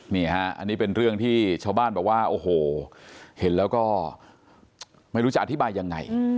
นี่ฮะอันนี้เป็นเรื่องที่ชาวบ้านบอกว่าโอ้โหเห็นแล้วก็ไม่รู้จะอธิบายยังไง